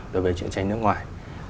đối với truyền tranh nước ngoài